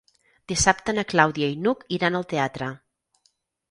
Dissabte na Clàudia i n'Hug iran al teatre.